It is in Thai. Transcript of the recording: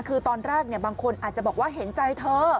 คือตอนแรกบางคนอาจจะบอกว่าเห็นใจเธอ